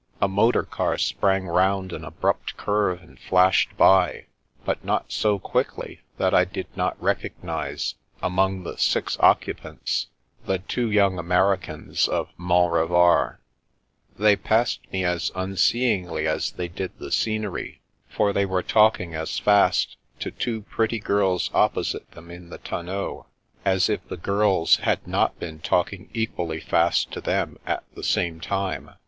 A motor car sprang round an abrupt curve and flashed by, but not so quickly that I did not recognise among the six occupants the two young Americans of Mont Revard. They passed me as unseeingly as they did the scenery: for they were talking as fast to two pretty girls opposite them in the tonneau, as if the girls had not been talking equally fast to them at the same time.